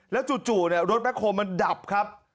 แล้วจู่เนี่ยรถแม็กโคมมันดับครับ